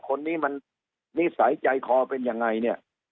คนนี้มันนิสัยใจคอเป็นยังไงเนี่ย